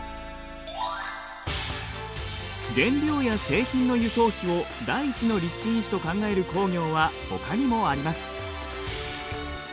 原料や製品の輸送費を第一の立地因子と考える工業はほかにもあります。